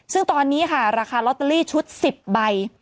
ซึ่งตอนนี้ค่ะราคาลอตเตอรี่ชุด๑๐ใบ